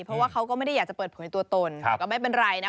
เพราะว่าเขาก็ไม่ได้อยากจะเปิดเผยตัวตนก็ไม่เป็นไรนะ